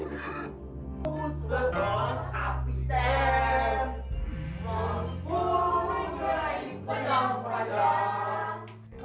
hilang deh itu anak